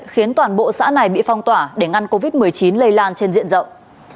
khiến toàn bộ xã này bị phong tỏa để ngăn covid một mươi chín lây lan trên diện rộng